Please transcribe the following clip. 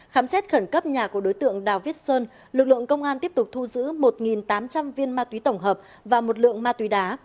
khám xét khẩn cấp nhà của đối tượng đào viết sơn lực lượng công an tiếp tục thu giữ một tám trăm linh viên ma túy tổng hợp và một lượng ma túy đá